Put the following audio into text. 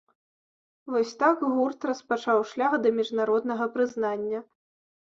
Вось так гурт распачаў шлях да міжнароднага прызнання.